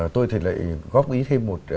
tôi thì lại góp ý thêm một